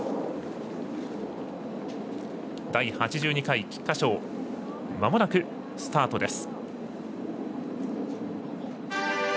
第８２回菊花賞まもなくスタートです。